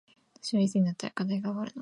私はいつになったら課題が終わるの